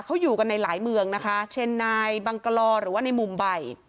เขาอยู่กันในหลายเมืองนะคะเช่นนายบังกลอหรือว่าในมุมใบ